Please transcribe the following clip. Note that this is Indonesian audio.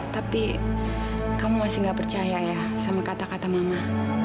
tapi kamu masih gak percaya ya sama kata kata mama